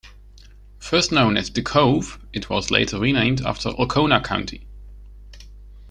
First known as The Cove, it was later renamed after Alcona County.